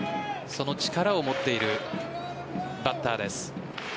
その力を持っているバッターです。